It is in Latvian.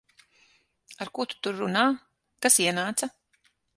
Ar ko tu tur runā? Kas ienāca?